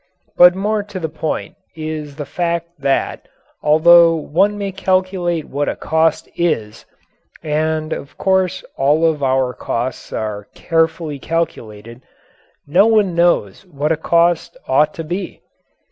But more to the point is the fact that, although one may calculate what a cost is, and of course all of our costs are carefully calculated, no one knows what a cost ought to be.